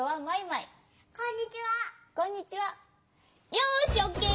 よしオッケー！